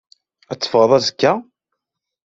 Ad teffɣeḍ azekka?